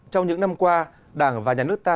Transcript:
trong những năm qua đảng và nhà nước ta